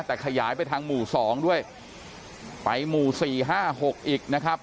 แต่ขยายไปทางหมู่สองด้วยไปหมู่สี่ห้าหกอีกนะครับ